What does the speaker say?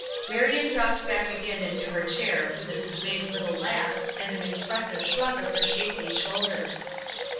Marion dropped back again into her chair with a dismayed little laugh and an expressive shrug of her shapely shoulders.